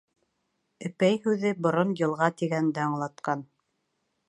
«Өпәй» һүҙе борон «йылға» тигәнде аңлатҡан.